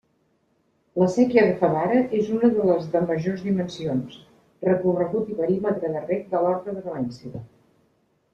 La séquia de Favara és una de les de majors dimensions, recorregut i perímetre de reg de l'horta de València.